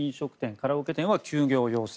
カラオケ店は休業要請。